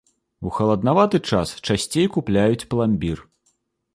У халаднаваты час часцей купляюць пламбір.